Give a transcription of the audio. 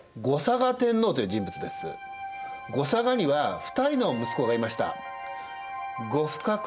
後嵯峨には２人の息子がいました。